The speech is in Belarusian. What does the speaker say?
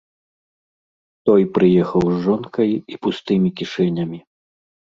Той прыехаў з жонкай і пустымі кішэнямі.